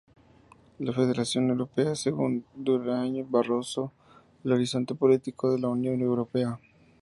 La federación europea es, según Durão Barroso, el horizonte político de la Unión Europea.